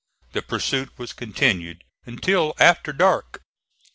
The pursuit was continued until after dark.